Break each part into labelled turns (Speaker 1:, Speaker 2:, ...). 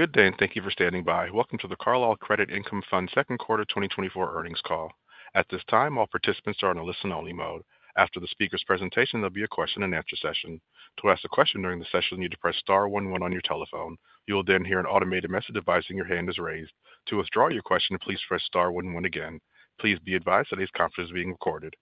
Speaker 1: Good day, and thank you for standing by. Welcome to the Carlyle Credit Income Fund second quarter 2024 earnings call. At this time, all participants are in a listen-only mode. After the speaker's presentation, there'll be a question-and-answer session. To ask a question during the session, you need to press star one one on your telephone. You will then hear an automated message advising your hand is raised. To withdraw your question, please press star one one again. Please be advised that this conference is being recorded.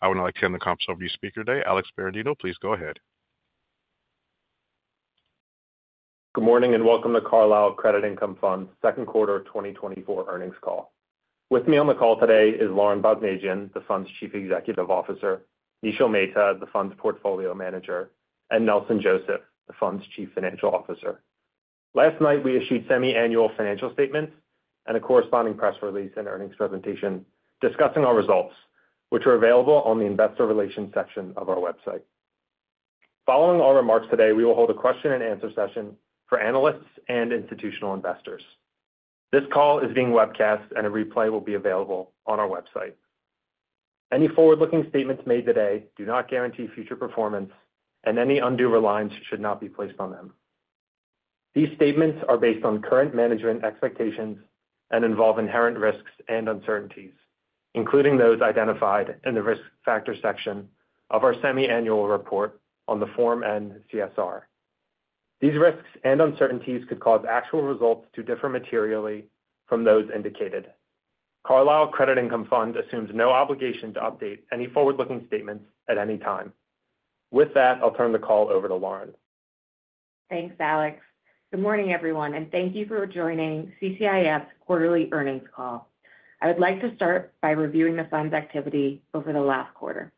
Speaker 1: I would now like to hand the conference over to the speaker today, Alex Berardino. Please go ahead.
Speaker 2: Good morning, and welcome to Carlyle Credit Income Fund's second quarter 2024 earnings call. With me on the call today is Lauren Basmadjian, the fund's Chief Executive Officer, Nishil Mehta, the fund's Portfolio Manager, and Nelson Joseph, the fund's Chief Financial Officer. Last night, we issued semi-annual financial statements and a corresponding press release and earnings presentation discussing our results, which are available on the investor relations section of our website. Following our remarks today, we will hold a question-and-answer session for analysts and institutional investors. This call is being webcast, and a replay will be available on our website. Any forward-looking statements made today do not guarantee future performance, and any undue reliance should not be placed on them. These statements are based on current management expectations and involve inherent risks and uncertainties, including those identified in the risk factors section of our semi-annual report on the Form N-CSR. These risks and uncertainties could cause actual results to differ materially from those indicated. Carlyle Credit Income Fund assumes no obligation to update any forward-looking statements at any time. With that, I'll turn the call over to Lauren.
Speaker 3: Thanks, Alex. Good morning, everyone, and thank you for joining CCIF's quarterly earnings call. I would like to start by reviewing the fund's activity over the last quarter.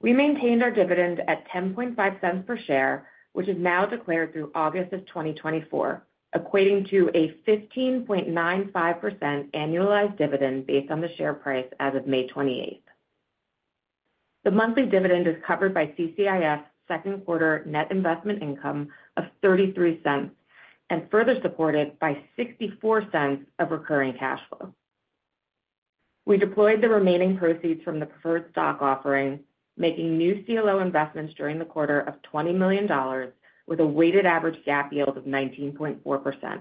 Speaker 3: We maintained our dividend at $0.105 per share, which is now declared through August 2024, equating to a 15.95% annualized dividend based on the share price as of May 28. The monthly dividend is covered by CCIF's second quarter net investment income of $0.33 and further supported by $0.64 of recurring cash flow. We deployed the remaining proceeds from the preferred stock offering, making new CLO investments during the quarter of $20 million, with a weighted average GAAP yield of 19.4%.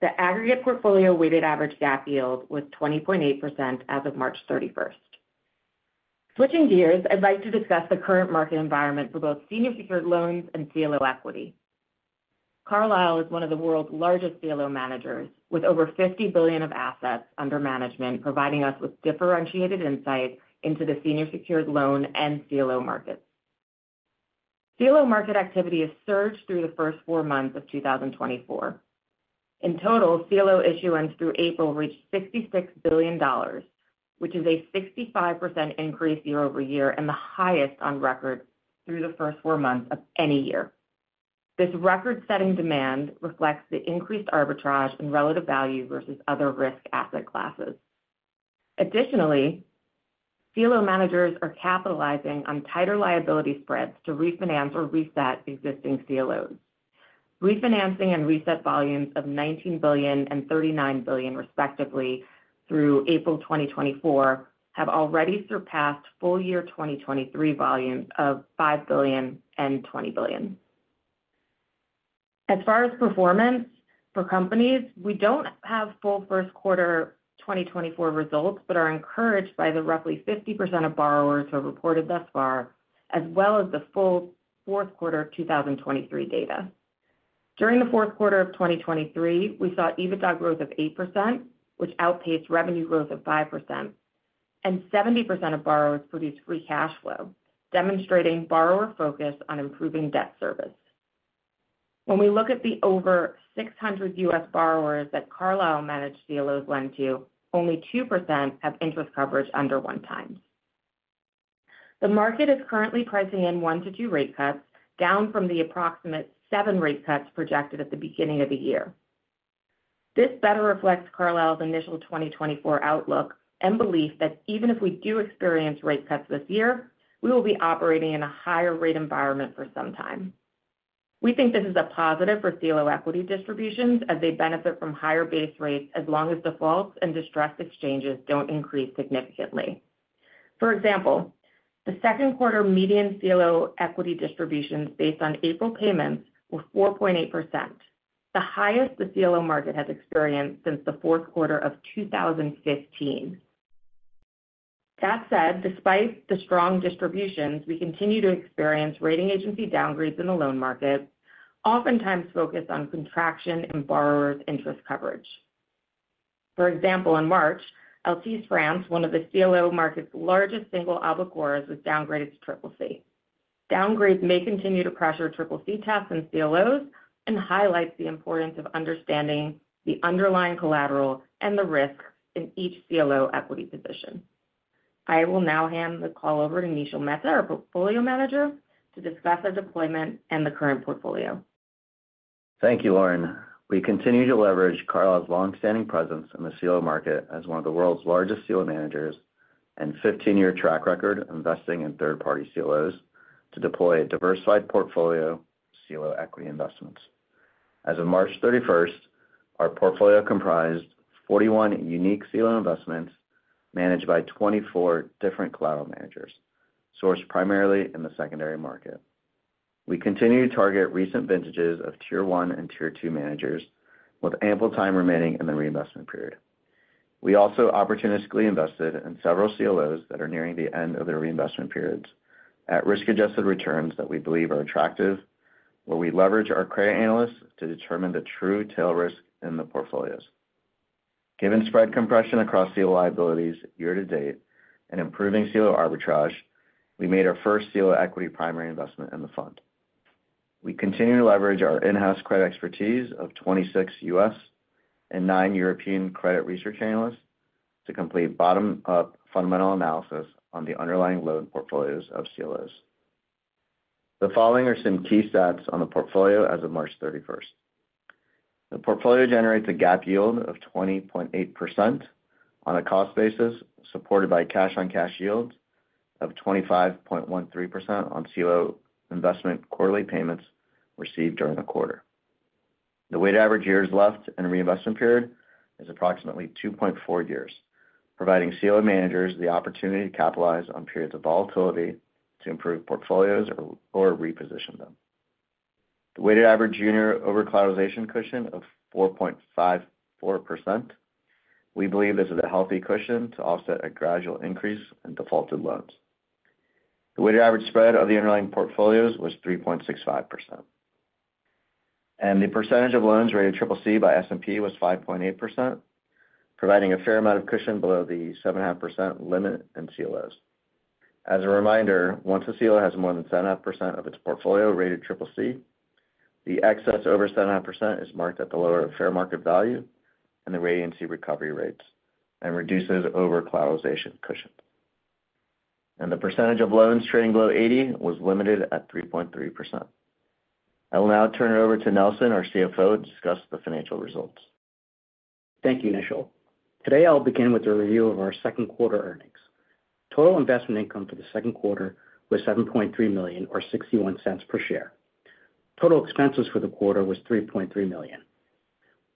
Speaker 3: The aggregate portfolio weighted average GAAP yield was 20.8% as of March 31. Switching gears, I'd like to discuss the current market environment for both senior secured loans and CLO equity. Carlyle is one of the world's largest CLO managers, with over 50 billion of assets under management, providing us with differentiated insight into the senior secured loan and CLO markets. CLO market activity has surged through the first four months of 2024. In total, CLO issuance through April reached $66 billion, which is a 65% increase year-over-year and the highest on record through the first four months of any year. This record-setting demand reflects the increased arbitrage and relative value versus other risk asset classes. Additionally, CLO managers are capitalizing on tighter liability spreads to refinance or reset existing CLOs. Refinancing and reset volumes of $19 billion and $39 billion, respectively, through April 2024, have already surpassed full year 2023 volumes of $5 billion and $20 billion. As far as performance for companies, we don't have full first quarter 2024 results, but are encouraged by the roughly 50% of borrowers who have reported thus far, as well as the full fourth quarter of 2023 data. During the fourth quarter of 2023, we saw EBITDA growth of 8%, which outpaced revenue growth of 5%, and 70% of borrowers produced free cash flow, demonstrating borrower focus on improving debt service. When we look at the over 600 U.S. borrowers that Carlyle-managed CLOs lend to, only 2% have interest coverage under 1x. The market is currently pricing in 1-2 rate cuts, down from the approximate 7 rate cuts projected at the beginning of the year. This better reflects Carlyle's initial 2024 outlook and belief that even if we do experience rate cuts this year, we will be operating in a higher rate environment for some time. We think this is a positive for CLO equity distributions as they benefit from higher base rates as long as defaults and distressed exchanges don't increase significantly. For example, the second quarter median CLO equity distributions based on April payments were 4.8%, the highest the CLO market has experienced since the fourth quarter of 2015. That said, despite the strong distributions, we continue to experience rating agency downgrades in the loan market, oftentimes focused on contraction in borrowers' interest coverage. For example, in March, Altice France, one of the CLO market's largest single obligors, was downgraded to CCC. Downgrades may continue to pressure CCC taps and CLOs and highlights the importance of understanding the underlying collateral and the risk in each CLO equity position. I will now hand the call over to Nishil Mehta, our Portfolio Manager, to discuss our deployment and the current portfolio.
Speaker 4: Thank you, Lauren. We continue to leverage Carlyle's long-standing presence in the CLO market as one of the world's largest CLO managers and 15-year track record of investing in third-party CLOs to deploy a diversified portfolio of CLO equity investments. As of March 31- Our portfolio comprised 41 unique CLO investments managed by 24 different collateral managers, sourced primarily in the secondary market. We continue to target recent vintages of Tier One and Tier Two managers with ample time remaining in the reinvestment period. We also opportunistically invested in several CLOs that are nearing the end of their reinvestment periods at risk-adjusted returns that we believe are attractive, where we leverage our credit analysts to determine the true tail risk in the portfolios. Given spread compression across CLO liabilities year to date and improving CLO arbitrage, we made our first CLO equity primary investment in the fund. We continue to leverage our in-house credit expertise of 26 U.S. and nine European credit research analysts to complete bottom-up fundamental analysis on the underlying loan portfolios of CLOs. The following are some key stats on the portfolio as of March 31st. The portfolio generates a GAAP yield of 20.8% on a cost basis, supported by cash-on-cash yields of 25.13% on CLO investment quarterly payments received during the quarter. The weighted average years left in the reinvestment period is approximately 2.4 years, providing CLO managers the opportunity to capitalize on periods of volatility to improve portfolios or reposition them. The weighted average junior overcollateralization cushion of 4.54%, we believe this is a healthy cushion to offset a gradual increase in defaulted loans. The weighted average spread of the underlying portfolios was 3.65%, and the percentage of loans rated CCC by S&P was 5.8%, providing a fair amount of cushion below the 7.5% limit in CLOs. As a reminder, once a CLO has more than 7.5% of its portfolio rated CCC, the excess over 7.5% is marked at the lower fair market value and the rating C recovery rates and reduces overcollateralization cushion. The percentage of loans trading below 80 was limited at 3.3%. I will now turn it over to Nelson, our CFO, to discuss the financial results.
Speaker 5: Thank you, Nishil. Today, I'll begin with a review of our second quarter earnings. Total investment income for the second quarter was $7.3 million, or $0.61 per share. Total expenses for the quarter was $3.3 million.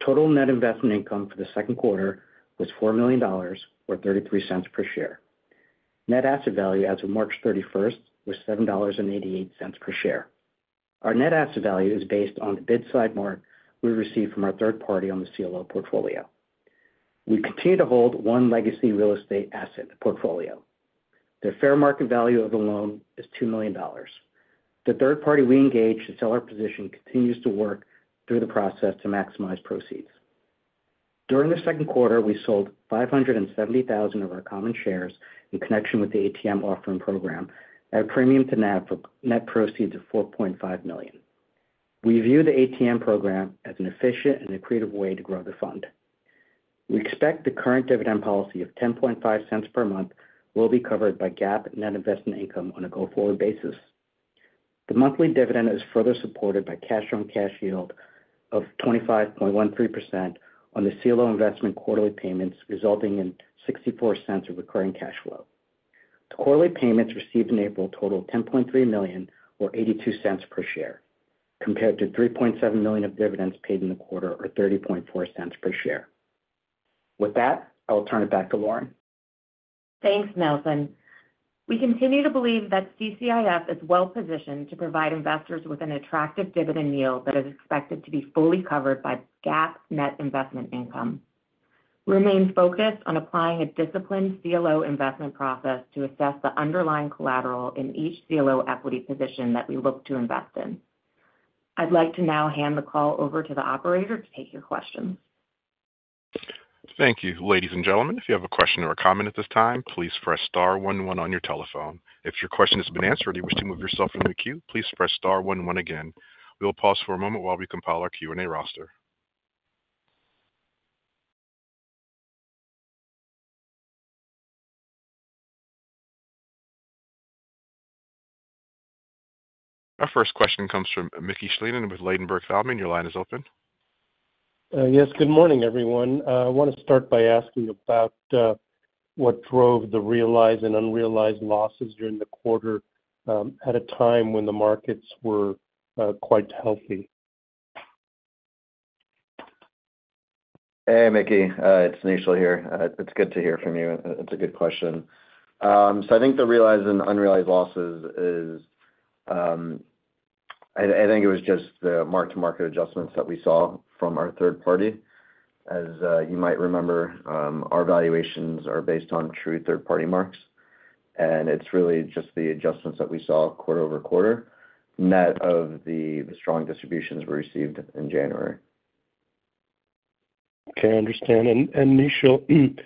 Speaker 5: Total net investment income for the second quarter was $4 million, or $0.33 per share. Net asset value as of March 31st was $7.88 per share. Our net asset value is based on the bid side mark we received from our third party on the CLO portfolio. We continue to hold one legacy real estate asset portfolio. The fair market value of the loan is $2 million. The third party we engaged to sell our position continues to work through the process to maximize proceeds. During the second quarter, we sold 570,000 of our common shares in connection with the ATM offering program at a premium to NAV for net proceeds of $4.5 million. We view the ATM program as an efficient and accretive way to grow the fund. We expect the current dividend policy of $0.105 per month will be covered by GAAP net investment income on a go-forward basis. The monthly dividend is further supported by cash-on-cash yield of 25.13% on the CLO investment quarterly payments, resulting in $0.64 of recurring cash flow. The quarterly payments received in April totaled $10.3 million, or $0.82 per share, compared to $3.7 million of dividends paid in the quarter, or $0.304 per share. With that, I will turn it back to Lauren.
Speaker 3: Thanks, Nelson. We continue to believe that CCIF is well positioned to provide investors with an attractive dividend yield that is expected to be fully covered by GAAP net investment income. We remain focused on applying a disciplined CLO investment process to assess the underlying collateral in each CLO equity position that we look to invest in. I'd like to now hand the call over to the operator to take your questions.
Speaker 1: Thank you. Ladies and gentlemen, if you have a question or a comment at this time, please press star one one on your telephone. If your question has been answered and you wish to move yourself from the queue, please press star one one again. We will pause for a moment while we compile our Q&A roster. Our first question comes from Mickey Schleien with Ladenburg Thalmann. Your line is open.
Speaker 6: Yes, good morning, everyone. I want to start by asking about what drove the realized and unrealized losses during the quarter, at a time when the markets were quite healthy?
Speaker 4: Hey, Mickey, it's Nishil here. It's good to hear from you. It's a good question. So I think the realized and unrealized losses is, I think it was just the mark-to-market adjustments that we saw from our third party. As you might remember, our valuations are based on true third-party marks, and it's really just the adjustments that we saw quarter-over-quarter, net of the strong distributions we received in January.
Speaker 6: Okay, I understand. And Nishil,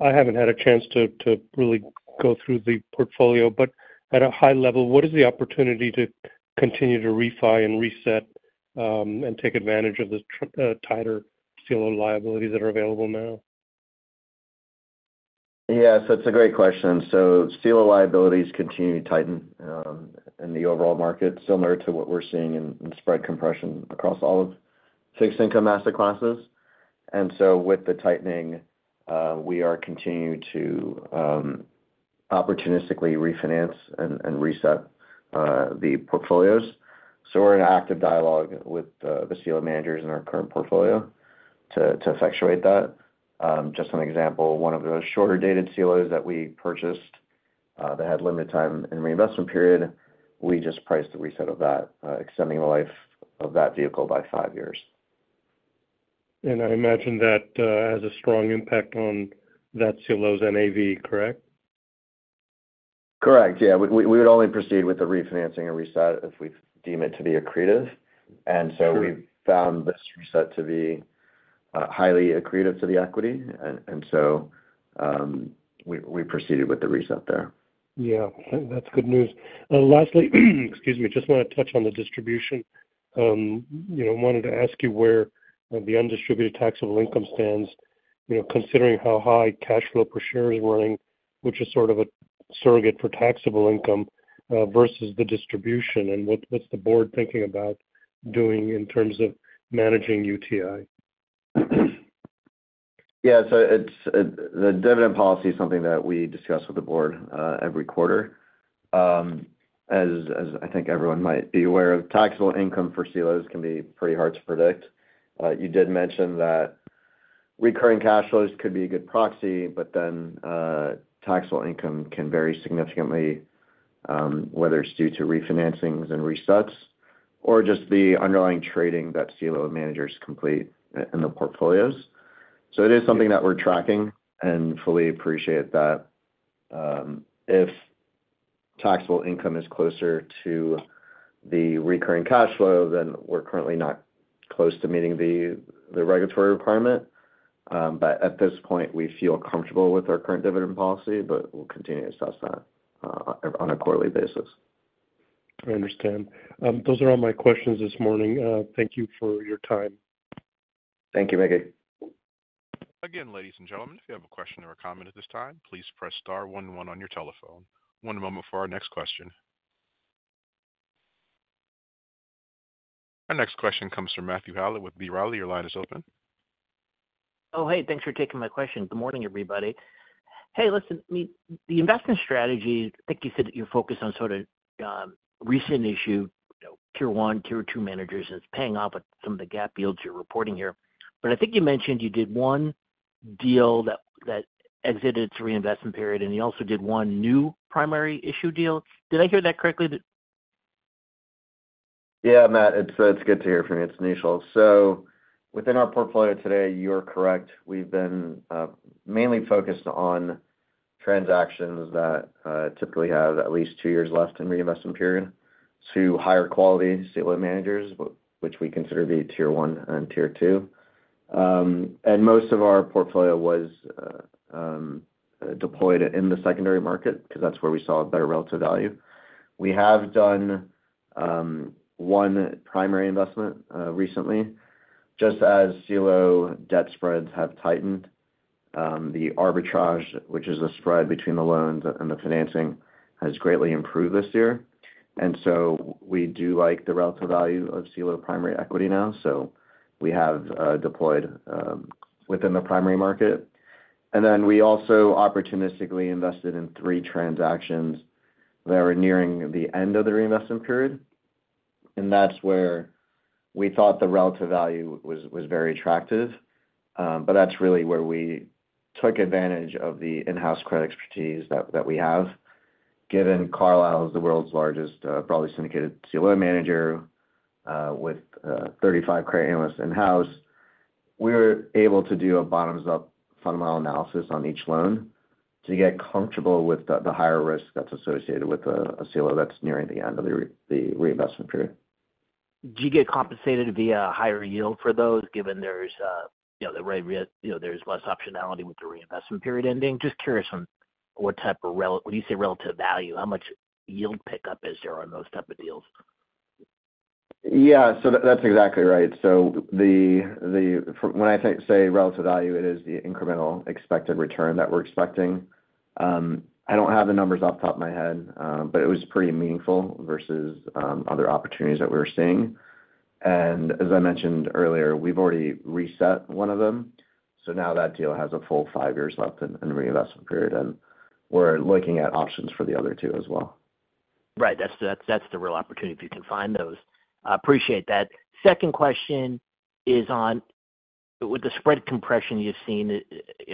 Speaker 6: I haven't had a chance to really go through the portfolio, but at a high level, what is the opportunity to continue to refi and reset, and take advantage of the tighter CLO liabilities that are available now?
Speaker 4: Yeah, so it's a great question. So CLO liabilities continue to tighten in the overall market, similar to what we're seeing in spread compression across all of fixed income asset classes. And so with the tightening, we are continuing to opportunistically refinance and reset the portfolios. So we're in active dialogue with the CLO managers in our current portfolio to effectuate that. Just an example, one of the shorter dated CLOs that we purchased, that had limited time in reinvestment period, we just priced the reset of that, extending the life of that vehicle by five years.
Speaker 6: I imagine that has a strong impact on that CLO's NAV, correct?
Speaker 4: Correct, yeah. We would only proceed with the refinancing or reset if we deem it to be accretive.
Speaker 6: Sure.
Speaker 4: And so we found this reset to be highly accretive to the equity. And so we proceeded with the reset there.
Speaker 6: Yeah, that's good news. Lastly, excuse me, just want to touch on the distribution. You know, wanted to ask you where the undistributed taxable income stands, you know, considering how high cash flow per share is running, which is sort of a surrogate for taxable income, versus the distribution, and what, what's the board thinking about doing in terms of managing UTI?
Speaker 4: Yeah, so it's the dividend policy is something that we discuss with the board every quarter. As I think everyone might be aware of, taxable income for CLOs can be pretty hard to predict. You did mention that recurring cash flows could be a good proxy, but then taxable income can vary significantly, whether it's due to refinancings and resets or just the underlying trading that CLO managers complete in the portfolios. So it is something that we're tracking and fully appreciate that, if taxable income is closer to the recurring cash flow, then we're currently not close to meeting the regulatory requirement. But at this point, we feel comfortable with our current dividend policy, but we'll continue to assess that on a quarterly basis.
Speaker 6: I understand. Those are all my questions this morning. Thank you for your time.
Speaker 4: Thank you, Mickey.
Speaker 1: Again, ladies and gentlemen, if you have a question or a comment at this time, please press star one, one on your telephone. One moment for our next question. Our next question comes from Matt Howlett with B. Riley. Your line is open.
Speaker 7: Oh, hey, thanks for taking my question. Good morning, everybody. Hey, listen, the investment strategy, I think you said that you're focused on sort of, recent issue, you know, Tier One, Tier Two managers, and it's paying off with some of the GAAP yields you're reporting here. But I think you mentioned you did one deal that, that exited its reinvestment period, and you also did one new primary issue deal. Did I hear that correctly?
Speaker 4: Yeah, Matt, it's good to hear from you. It's Nishil. So within our portfolio today, you're correct. We've been mainly focused on transactions that typically have at least two years left in reinvestment period to higher quality CLO managers, which we consider to be Tier One and Tier Two. And most of our portfolio was deployed in the secondary market, because that's where we saw a better relative value. We have done one primary investment recently, just as CLO debt spreads have tightened. The arbitrage, which is the spread between the loans and the financing, has greatly improved this year. And so we do like the relative value of CLO primary equity now, so we have deployed within the primary market. And then we also opportunistically invested in three transactions that were nearing the end of the reinvestment period, and that's where we thought the relative value was very attractive. But that's really where we took advantage of the in-house credit expertise that we have. Given Carlyle is the world's largest broadly syndicated CLO manager with 35 credit analysts in-house, we're able to do a bottoms-up fundamental analysis on each loan to get comfortable with the higher risk that's associated with a CLO that's nearing the end of the reinvestment period.
Speaker 8: Do you get compensated via a higher yield for those, given there's, you know, you know, there's less optionality with the reinvestment period ending? Just curious on what type of, when you say relative value, how much yield pickup is there on those type of deals?
Speaker 4: Yeah, so that's exactly right. So when I say relative value, it is the incremental expected return that we're expecting. I don't have the numbers off the top of my head, but it was pretty meaningful versus other opportunities that we were seeing. And as I mentioned earlier, we've already reset one of them, so now that deal has a full five years left in the reinvestment period, and we're looking at options for the other two as well.
Speaker 7: Right. That's the real opportunity if you can find those. I appreciate that. Second question is on, with the spread compression you've seen,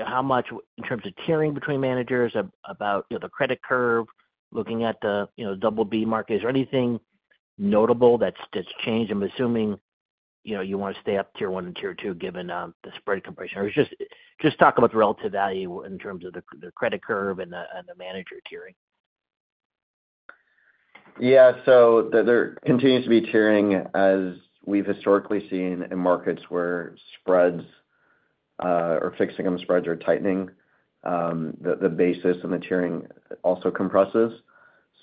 Speaker 7: how much in terms of tiering between managers about, you know, the credit curve, looking at the, you know, double B market, is there anything notable that's changed? I'm assuming, you know, you want to stay up Tier One and Tier Two, given the spread compression. Or just talk about the relative value in terms of the credit curve and the manager tiering.
Speaker 4: Yeah. So there continues to be tiering, as we've historically seen in markets where spreads or fixing on the spreads are tightening, the basis and the tiering also compresses.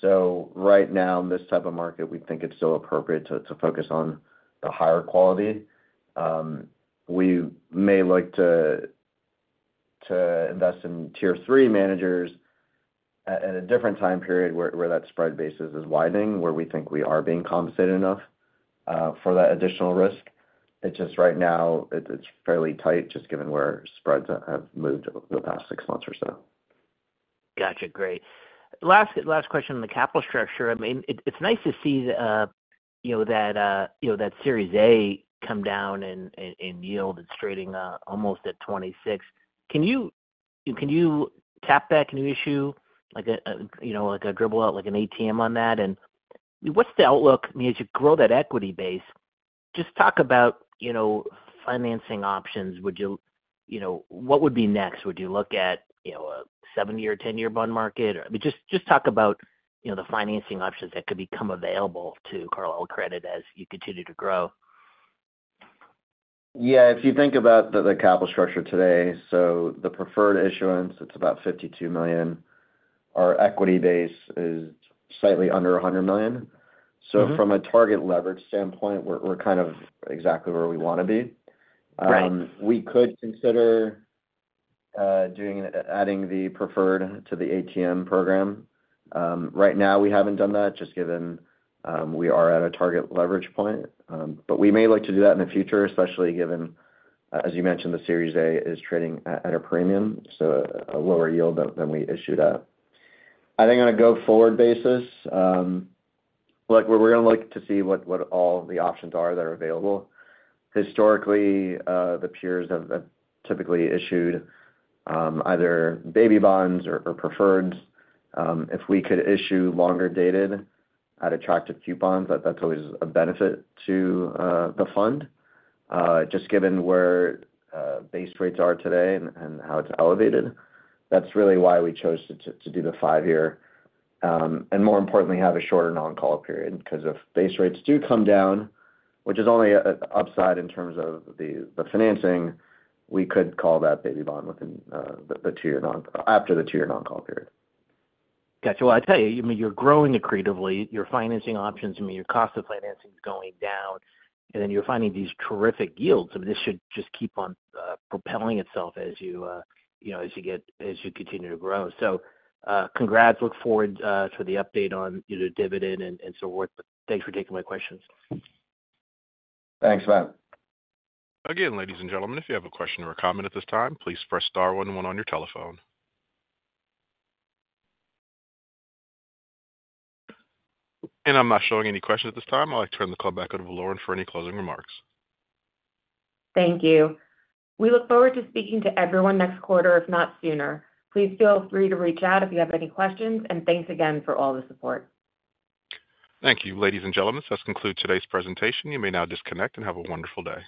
Speaker 4: So right now, in this type of market, we think it's still appropriate to focus on the higher quality. We may look to invest in tier three managers at a different time period, where that spread basis is widening, where we think we are being compensated enough for that additional risk. It's just right now, it's fairly tight, just given where spreads have moved over the past six months or so.
Speaker 7: Gotcha. Great. Last, last question on the capital structure. I mean, it, it's nice to see, you know, that, you know, that Series A come down in, in, in yield. It's trading, almost at 26. Can you, can you tap that new issue, like a, you know, like a dribble out, like an ATM on that? And what's the outlook, I mean, as you grow that equity base, just talk about, you know, financing options. Would you, you know, what would be next? Would you look at, you know, a 7-year or 10-year bond market? Or I mean, just, just talk about, you know, the financing options that could become available to Carlyle Credit as you continue to grow.
Speaker 4: Yeah, if you think about the capital structure today, so the preferred issuance, it's about $52 million. Our equity base is slightly under $100 million.
Speaker 7: Mm-hmm.
Speaker 4: So from a target leverage standpoint, we're kind of exactly where we wanna be.
Speaker 7: Right.
Speaker 4: We could consider adding the preferred to the ATM program. Right now, we haven't done that, just given we are at a target leverage point. But we may look to do that in the future, especially given, as you mentioned, the Series A is trading at a premium, so a lower yield than we issued at. I think on a go-forward basis, look, we're gonna look to see what all the options are that are available. Historically, the peers have typically issued either baby bonds or preferred. If we could issue longer dated at attractive coupons, that's always a benefit to the fund. Just given where base rates are today and how it's elevated, that's really why we chose to do the 5-year and more importantly, have a shorter non-call period. Because if base rates do come down, which is only an upside in terms of the financing, we could call that baby bond after the two-year non-call period.
Speaker 8: Got you. Well, I tell you, I mean, you're growing accretively, your financing options, I mean, your cost of financing is going down, and then you're finding these terrific yields. I mean, this should just keep on propelling itself as you, you know, as you continue to grow. So, congrats. Look forward to the update on either dividend and so forth. But thanks for taking my questions.
Speaker 4: Thanks, Matt.
Speaker 1: Again, ladies and gentlemen, if you have a question or a comment at this time, please press star one one on your telephone. I'm not showing any questions at this time. I'll turn the call back over to Lauren for any closing remarks.
Speaker 3: Thank you. We look forward to speaking to everyone next quarter, if not sooner. Please feel free to reach out if you have any questions, and thanks again for all the support.
Speaker 1: Thank you. Ladies and gentlemen, this does conclude today's presentation. You may now disconnect and have a wonderful day.